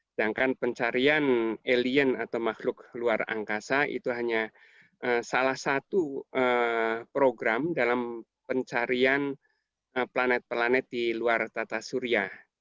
sedangkan pencarian alien atau makhluk luar angkasa itu hanya salah satu program dalam pencarian planet planet di luar tata surya